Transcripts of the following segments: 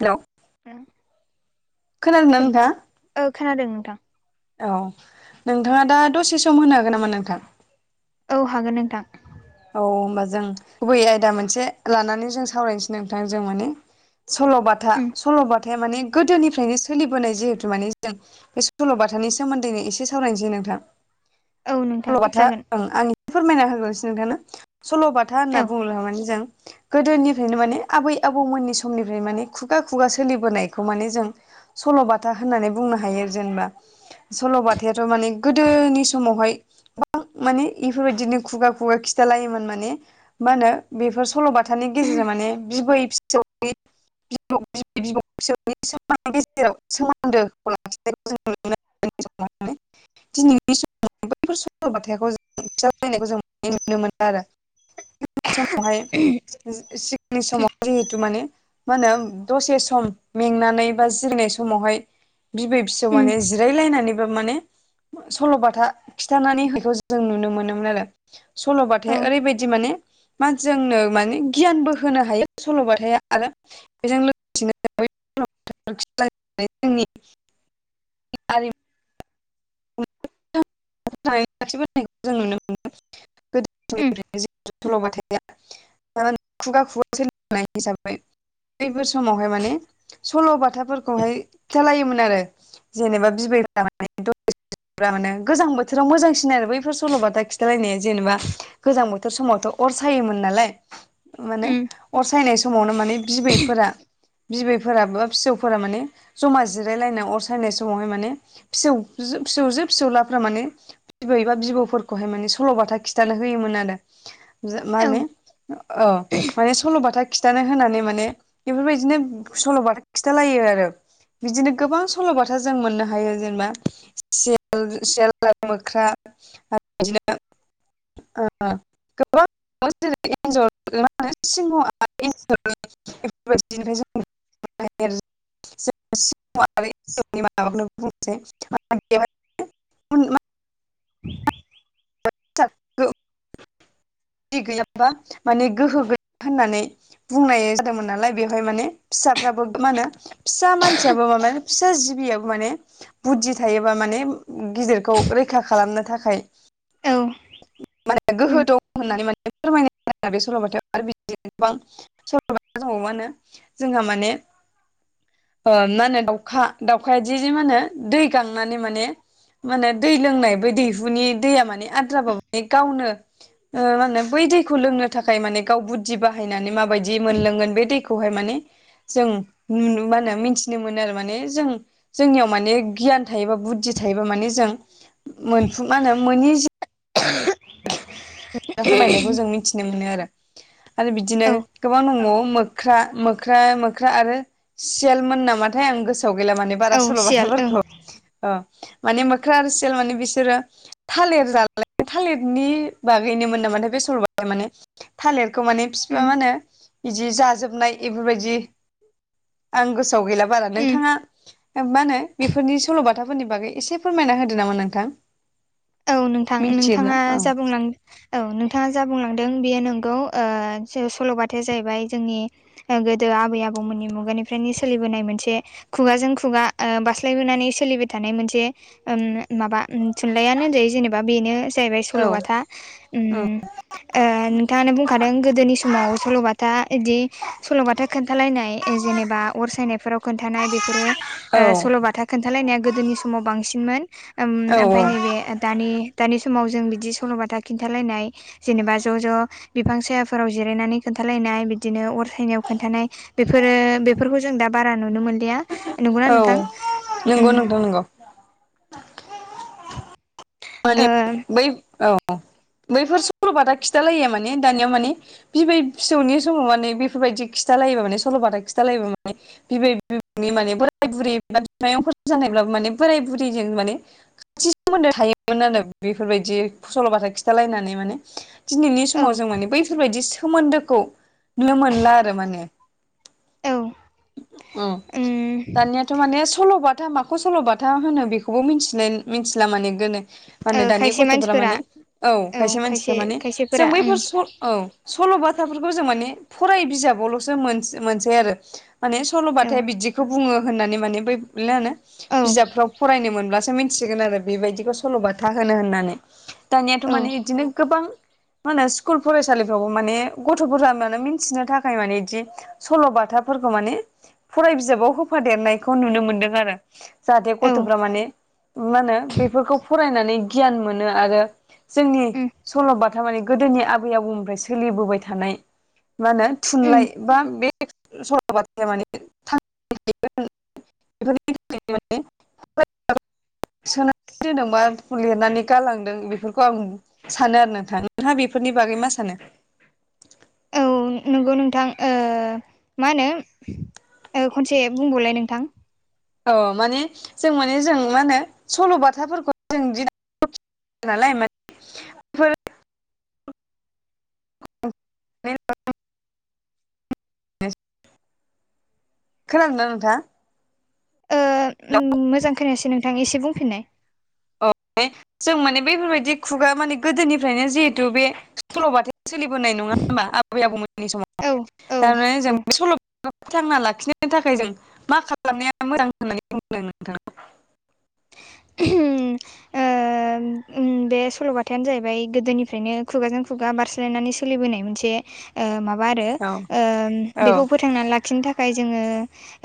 Hello [unintelligible] खोनादोंना hello नोंथांङा औ खोनादों नोंथां औ नोंथांङा दा दसे सम होनो हागोन नामा नोंथां औ हागोन नोंथां औ ओमबा जों गुबै आयदा मोनसे लानानै जों सावरायनोसै नोंथां जों माने सल'बाथा उम सल'बाथाया माने गोदोनिफ्रायनो सोलिबोनाय जिहेतु माने जों बे सल'बाथानि सोमोन्दैनो एसे सावरायनोसै नोंथां औ नोंथां सल'बाथा जागोन ओं आं एसे फोरमायना होगोनस नोंथांनो। सल'बाथा होनना औ बुंङोब्ला माने जों गोदोनिफ्रायनो माने आबै आबौमोननि समनिफ्रायनो माने खुगा खुगा सोलिबोनायखौ माने जों सल'बाथा होननानै बुंनो हायो जेनेबा। सल'बाथायाथ' माने गोदोनि समावहाय माने इफोरबायदिनो खुगा खुगा खि खिथालायोमोन माने मा होनो बेफोर सल'बाथानि गेजेरजों माने बिबै फिसौनि [unintelligible] [unintelligible] नुनो मोनो आरो [unintelligible] मा होनो दसे सम मेंनानै बा जिरनाय समावहाय बिबै फिसौ माने उम जिराय लानानैब्लाबो माने सल'बाथा खिन्थानानै होनायखौ जों नुनो मोनोमोन आरो औ सल'बाथाया ओरैबायदि माने मानसि जोंनो माने गियानबो होनो हायो सल'बाथाय आरो बेजों लोगोसेनो [unintelligible] हारिमुखौ [unintelligible] [unintelligible] उम खुगा खुगा सोलोंनाय हिसाबै बैफोर समावहाय माने सल' बाथाफोरखौहाय खिन्थालायोमोन आरो। जेनेबा बिबैफोरा माने माने गोजां बोथोराव मोजांसिन आरो बैफोर सल'बाथा खिथालायनाया जेनेबा गोजां बोथोर समावथ' अर सायोमोन नालाय माने उम अर सायनाय समावनो माने बिबैफोरा बिबैफोरा बा फिसौफोरा माने जमा जिरायलायनाय अर सायनाय समावहाय माने फिसौ फिसौजो फिसौलाफ्रा माने बिबौ एबा बिबौफोरखौहाय माने सल'बाथा खिथानो होयोमोन आरो। मा औ होनो औ माने सल'बाथा खिथानो होनानै माने बेफोरबायदिनो सल'बाथा खिथालायो आरो बिदिनो गोबां सल'बाथा जों मोननो हायो जेनेबा [unintelligible] [unintelligible] [unintelligible] [unintelligible] [unintelligible] [unintelligible] गोहो गैया होननानै बुंनाय जादोंमोन नालाय बेवहाय माने फिसाफ्राबो मा होनो फिसा मानसियाबो माबा फिसा जिबियाबो माने बुद्धि थायोबा माने गिदिरखौ रैखा खालामनो थाखाय औ माने उम गोहो दं होननानै माने फोरमायो बे सल'बथायाव आरो बिदिनो गोबां [unintelligible] जोंहा माने मा होनो दाउखा दाउखाया जि जि मा होनो दै गांनानै माने माने दै लोंनाय बै दैहुनि दैया माने आद्राबाबो बे गावनो मा होनो बै दैखौ लोंनो थाखाय माने गाव बुद्धि बाहायनानै माबायदि मोनलोंगोन बे दैखौहाय माने जों मा होनो मिथिनो मोनो आरो माने जों जोंनियाव माने गियान थायोबा बुद्धि थायोबा माने जों मोनफुं मा होनो मोनि फोरमायनायखौ जों मिथिनो मोनो आरो। आरो बिदिनो औ गोबां दंबावो मोख्रा मोख्रा मोख्रा आरो सियालमोन नामाथाय आं गोसोआव गैला माने बारा औ सियाल ओं सल'बाथाफोरखौ। ओ माने मोख्रा आरो सायालल माने बिसोरो थालिर जालाय थालिरनि बागैनोमोन नामाथाय बे सल'बाथाया माने थालिरखौ माने बिफा मा उम होनो बिदि जाजोबनाय बेफोरबायदि आं गोसोयाव गैला बारा। उम नोंथाङा मा होनो बेफोरनि सल'बाथाफोरनि बागै एसे फोरमायना होदो नामा नोंथां। औ नोंथां मिथियोब्ला नोंथाङा औ जा बुंलांदों औ नोंथाङा जा बुंलांदों बेयो नंगौ ओ सल'बथायाया जाहैबाय जोंनि गोदो आबै आबौमोननि मुगानिफ्रायनो सोलिबोनाय मोनसे खुगाजों खुगा ओ बास्लायबोनानै सोलिबाय थानाय मोनसे माबा थुनलाइयानो होन जायो जेनेबा बेनो जाहैबाय औ सल'बाथा। ओम ओ नोंथाङानो बुंखादों गोदोनि समाव सल'बाथा बिदि सल'बाथा खोनथालायनाय जेनेबा अर सायनाय बेफोराव खोनथानाय बेफोरो औ सल'बाथा खोन्थालायनाया गोदोनि समाव बांसिनमोन। औ ओमफ्राय नैबे दानि दानि समाव जों बिदि सल'बाथा खिन्थालायनाय। जेनेबा ज' ज' बिफां सायाफोराव जिरायनानै खोनथखलायनाय बिदिनो अर सायनायाव खोन्थानाय। बेफोरो बेफोरखौ जों दा बारा नुनो मोनलिया नंगौना औ नोंथां नंगौ उम। नोंथां नंगौ माने ओ औ। बैफोर सल'बाथा खिन्थालायो माने दानियाव माने बिबै फिसौनि समाव माने बेफोरबायदि खिथालायोबा मान सल'बाथा खिथालायोबा माने बिबै बिबनि माने बोराय बुरै एबा बिमायंफोरा जानायब्लाबो माने बोराय बुरैजों माने खाथि सोमोन्दो थायोमोन आरो बेफोरबायदि फसल'बाथा खिन्थालायनानै माने दिनैनि औ समाव जों माने बैफोरबायदि सोमोनदोखौ नुनो मोनला आरो माने। औ औ उम दानियाथ' माने सल'बाथा मा खौ सल'बाथा होनो बेखौबो मिथि मिथिला माने गोनो मा ओ होनो दानि खायसे गथ'फोरा मानसिफोरा माने। औ खायसे मानसिफ्रा माने जों बैफोर औ सल'बाथाफोरखौ जों माने फराय बिजाबावल'सो मोनसै आरो माने औ सल'बाथाय बिदिखौ बुङो होननानै माने बै मा होनो औ बिजाबफ्राव फरायनो मोनब्लासो मिसिगोन आरो बेबायदिखौ सल'बाथा होनो होननानै दानियाथ' माने औ बिदिनो गोबां मा होनो स्कुल फरायसालिफ्रावबो माने गथ'फोरा माने मिथिनो थाखाय माने बिदि सल' बाथाफोरखौ माने फराय बिजाबाव होफादेरनायखौ नुनो मोनदों आरो। जाहाथे औ गथ'फ्रा माने मा होनो बेफोरखौ फरायनानै गियान मोनो आरो जोंनि उम सल'बााथा मानि गोदोनि आबै आबौनिफ्राय सोलिबोबाय थानाय। मा होनो उम थुनलाइ बा बे सलबाथाया माने बेफोरनि माने सोनानै दोनदोंबा लिरनानै गालांदों बेफोरखौ आं सानो आरो नोंथां नोंथाङा बेफोरनि बागै मा सानो। औ नोंगौ नोंथां ओ मा होनो खनसे बुंबावलाय नोंथां। औ माने जों माने जों मा होनो सल' बाथाफोरखौ जों नालाय माने फोर [unintelligible] खोनादोंना नोंथां? ओ मोजां खोनायासै नोंथां एसे बुंफिननाय। जों माने बैफोरबायदि खुगा माने गोदोनिफ्रायनो जिहेथु बे सल'बाथाया सोलिबोनाय नङा होनोमबा आबै आबौमोननि समाव। औ औ थारमाने जों औ बे सल' बाथाफोरखौ फोथांना लाखिनो थाखाय जों मा खालामनाया मोजां होननानै बुंदों नोंथाङा ओ ओम ओम बे सलबाथायानो जाहैबाय गोदोनिफ्रायनो खुगाजों खुगा बारस्लायनानै सोलिबोनाय मोनसे ओ माबा आरो औ ओम औ बेखौ फोथांनानै लाखिनो थाखाय जोङो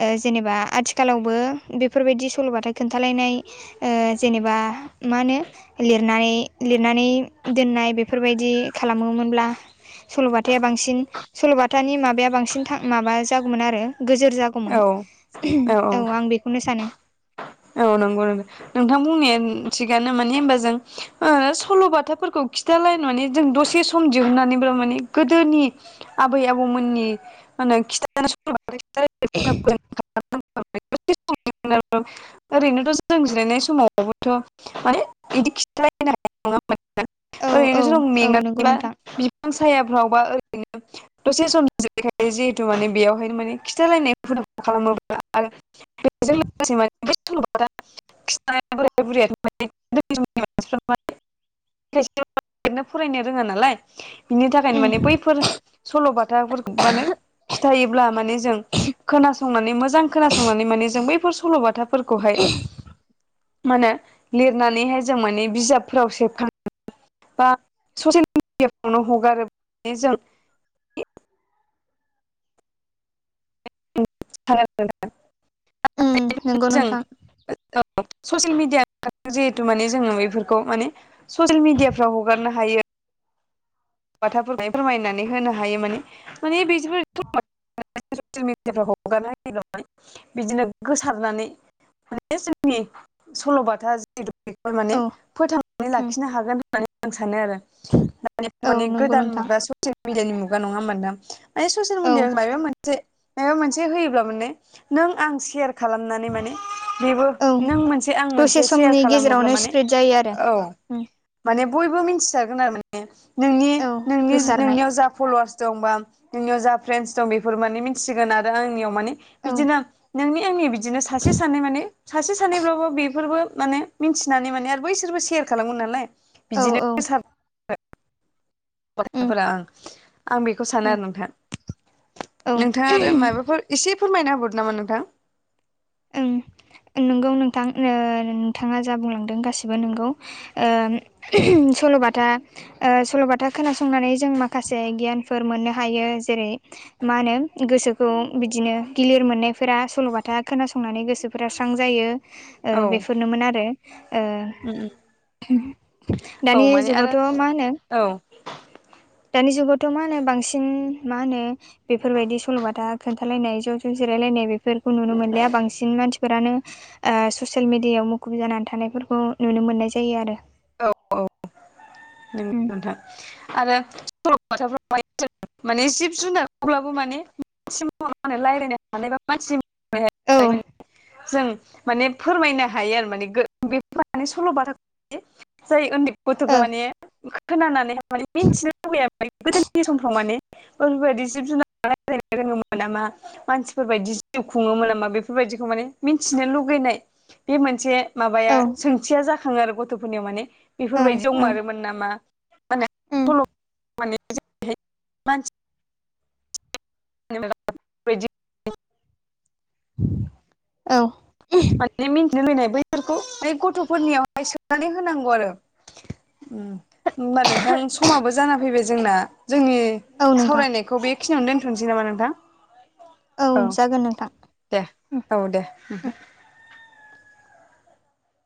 ओ जेनेबा आथिखालावबो बेफोरबायदि सल'बाथा खोनथालायनाय ओ जेनेबा मा होनो लिरनानै लिरनानै दोननाय बेफोरबायदि खालामोमोनब्ला सल'बाथा बांसिन सल'बाथानि माबाया बांसिन माबा जागौमोन आरो गोजोर जागौ गौमोन औ औ आं बेखौनो सानो औ नंगौ नोंथां बुंनाया थिगानो माने होनबा जों ओ सल'बाथाफोरखौ खि थालाय माने जों दसे सम दिहुननानैब्लाबो माने गोदोनि आबै आबौमोननि मा होनो खिथा [unintelligible] ओरैनोथ जों जिरायनाय समावबोथ माने इदि खि [unintelligible] नङा होमबा औ नोंथां औ ओरैनो जों औ नंगौ मेंनानै बा नोंथां बिफां सायाफ्रावबा ओरैनो दसे सम जिरायनानै जिहेथु माने बेयावहायनो माने खिथालायनाय हुदाफोर खालामोब्ला आरो बेजों लोगोसे माने [unintelligible] खायसे [unintelligible] फरायनो रोङा नालाय बिनि थाखायनो उम माने बैफोर सल'बाथाफोरखौ माने खिथायोब्ला माने जों खोनासंनानै मोजां खोनासंनानै माने जों बैफोर सल'बाथाफोरखौहाय मा होनो लिरनानैहाय जों माने बिजाबफोराव सेबखां बा ससेल मिडियाफ्रावनो हगारोब्ला जों [unintelligible] उम नंगौ जों नोंथां औ ससियेल मिडिया जिहेथु माने जोङो बेफोरखौ माने ससियेल मिडियाफ्रा हगारनो हायो बाथाफोर फोरमायनानै होनो हायो माने माने [unintelligible] दा ससियेल मिडियाफ्राव हगारना होयोब्ला माने बिदिनो गोसारनानै माने जोंनि सल'बाथा जिहेथु बेखौ माने औ फोथांनानै उम लाखिनो हागोन होननानै आं सानो आरो दानि औ माने नंगौ गोदान नोंथां मुगा ससियेल मिडियानि मुगा नङा होमबा नोंथां माने ससियेल औ मिडिया मायबेबा मोन से माबोबा मोनसे होयोब्ला माने नों आं सेयार खालानानै माने बेबो औ नों मोनसे आं मोनसे सेयार खालामोब्ला माने स्प्रिद जायो आरो औ उम माने बयबो मिथिसारगोन आरो माने नोंनि औ नोंनि गोसारनाय नोंनियाव जा फलवार्स दं बा नोंनियाव जा फ्रेन्स दं बेफोर माने मिथिसिगोन आरो आंनियाव माने औ बिदिनो नोंनि आंनि बि दिनो सासे सानै माने सासे सानैब्लाबो बेफोरबो माने मिथिनानै माने आरो बैसोरबो सेयार खालामगोन नालाय औ बिदिनो औ [unintelligible] उम सल'बाथाफोरा ओं आं बेखौ सानो उम आरो नोंथां औ नोंथाङा आरो माबाफोर एसे फोरमायना होबावदो नामा नोंथां ओं नोंगौ नोंथां ओ नोंथाङा जा बुंलांदों गासिबो नोंगौ ओम सल'बाथा ओ सल'बाथा खोनासंनानै जों माखासे गियानफोर मोननो हायो जेरै मा होनो गोसोखौ बिदिनो गिलिर मोननायफोरा सल'बाथा खोनासंनानै गोसोफोरा स्रां जायो ओ औ बेफोरनोमोन आरो ओ दानि औ माने आरो जुगावथ मा होनो [inaudible] दानि जुगावथ मा होनो बांसिन मा होनो बेफोरबायदि सल'बाथा खोन्थालायनाय ज' ज' जिरायलायनाय बेफोरखौ नुनो मोन लाया बांसिन मानसिफोरानो ओ ससियेल मिडियाव मुखुब जानानै थानायफोरखौ नुनो मोननाय जायो आरो। औ औ नोंगौ नोंथां आरो [unintelligible] सल'बाथाफोराहाय माने जिब जुनारफोरब्लाबो माने मानसि महर रायलायनो [unintelligible] हानाय बा औ [unintelligible] जों माने फोरमायनो हायो आरो माने [unintelligible] सल' बाथाखो माने जाय ओन्दै औ गथ'फ्रा माने खोनानानैहाय माने मिन्थिनो लुबैयो आरो माने गोदोनि समफ्राव माने [unintelligible] [unintelligible] नामा मानसिफोरबायदि जिउ खुङोमोन नामा बेफोरबायदिखौ माने मिथिनो लुगैनाय बे मोनसे माबाया औ सोंथिया जाखाङो आरो गथ'फोरनियाव माने औ इफोरबायदि दंमारोमोन नामा माने सल' [unintelligible] माने नंगौ [unintelligible] औ माने मिन्थिनो लुबैनाय बैफोरखौ माने गथ'फोरनियावहाय सोननानै होनांगौ आरो [unintelligible] उम ओमबा नोंथां समाबो जाना फैबाय जोंना। जोंनि औ नोंथां सावरायनायखौ बेखिनियावनो दोन्थ'नोसै नामा नोंथां? औ जागोन नोंथां। दे औ दे ओमफाय